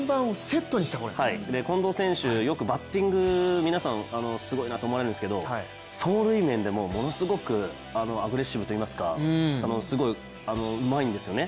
近藤選手、よくバッティング皆さんすごいなと思われるんですけれども、走塁面でもものすごくアグレッシブといいますかすごいうまいんですよね。